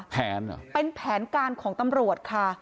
เหรอเป็นแผนการของตำรวจค่ะ